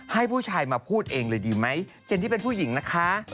ให้ผู้ชายมาพูดเองเลยดีไหมเจนนี่เป็นผู้หญิงนะคะ